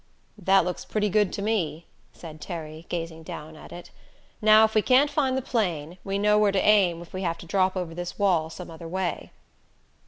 "That looks pretty good to me!" said Terry, gazing down at it. "Now, if we can't find the 'plane, we know where to aim if we have to drop over this wall some other way."